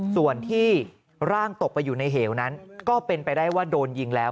ส่วนที่ร่างตกไปอยู่ในเหวนั้นก็เป็นไปได้ว่าโดนยิงแล้ว